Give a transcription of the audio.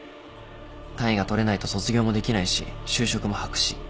単位が取れないと卒業もできないし就職も白紙。